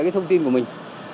thông tin của mình